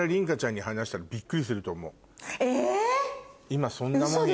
今そんなもんよ